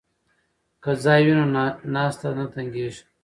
که ځای وي نو ناسته نه تنګیږي.